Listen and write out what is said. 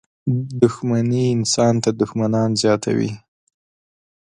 • دښمني انسان ته دښمنان زیاتوي.